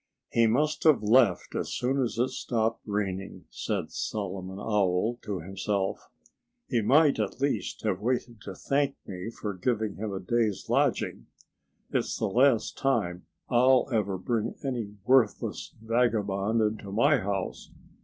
"He must have left as soon as it stopped raining," said Solomon Owl to himself. "He might at least have waited to thank me for giving him a day's lodging. It's the last time I'll ever bring any worthless vagabond into my house.